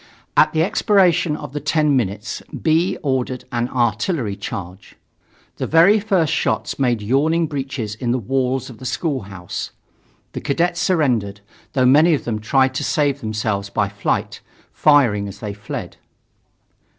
At the expiration of the ten minutes, B. ordered an artillery charge. The very first shots made yawning breaches in the walls of the schoolhouse. The cadets surrendered, though many of them tried to save themselves by flight, firing as they fled.